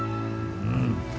うん。